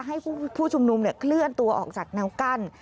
ให้ผู้ชุมนุมเคลื่อนตัวออกจากแนวกั้น